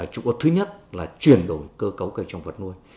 trụ cột thứ nhất là chuyển đổi cơ cấu cây trồng vật nuôi